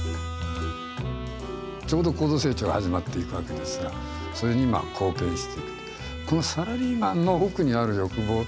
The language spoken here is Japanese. ちょうど高度成長が始まっていくわけですがそれにまあ貢献していく。